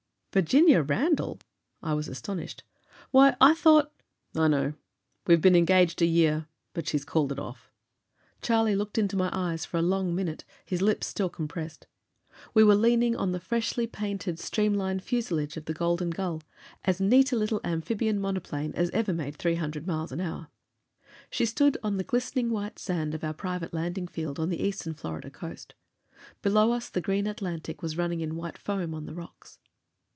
"Virginia Randall!" I was astonished. "Why, I thought " "I know. We've been engaged a year. But she's called it off." Charlie looked into my eyes for a long minute, his lips still compressed. We were leaning on the freshly painted, streamline fuselage of the Golden Gull, as neat a little amphibian monoplane as ever made three hundred miles an hour. She stood on the glistening white sand of our private landing field on the eastern Florida coast. Below us the green Atlantic was running in white foam on the rocks.